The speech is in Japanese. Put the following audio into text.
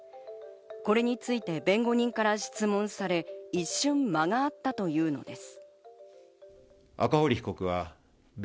これについて弁護人から質問され、一瞬間があったというのです。